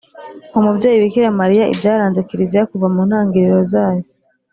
umubyeyi bikira mariya, ibyaranze kiliziya kuva mu ntangiriro zayo